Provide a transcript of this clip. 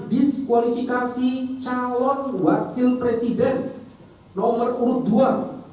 diskualifikasi calon wakil presiden nomor urut dua